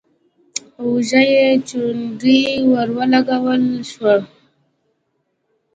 په اوږه يې چونډۍ ور ولګول شوه: